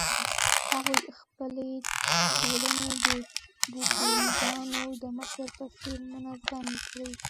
هغوی خپلې ټولنې د بوشونګانو د مشر په څېر منظمې کړې.